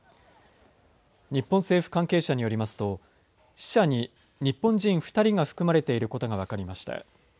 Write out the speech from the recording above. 日本政府関係者によりますと死者に日本人２人が含まれていることが分かりました。